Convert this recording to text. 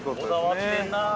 ◆こだわってんなあ。